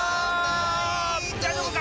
大丈夫か？